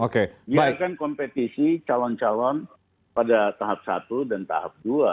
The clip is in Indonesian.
biarkan kompetisi calon calon pada tahap satu dan tahap dua